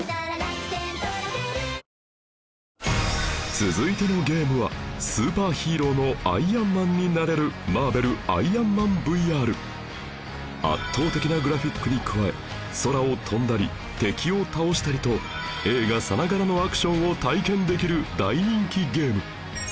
続いてのゲームはスーパーヒーローのアイアンマンになれる圧倒的なグラフィックに加え空を飛んだり敵を倒したりと映画さながらのアクションを体験できる大人気ゲーム